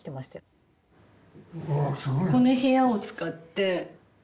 この部屋を使って。